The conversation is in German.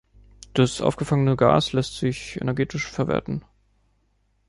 Das aufgefangene Gas lässt sich energetisch verwerten.